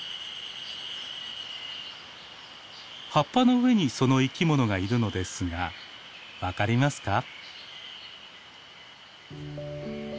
葉っぱの上にその生きものがいるのですが分かりますか？